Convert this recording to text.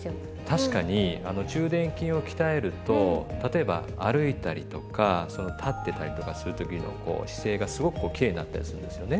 確かに中臀筋を鍛えると例えば歩いたりとか立ってたりとかする時のこう姿勢がすごくこうきれいになったりするんですよね。